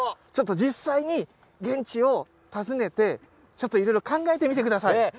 ちょっと実際に現地を訪ねてちょっと色々考えてみてください！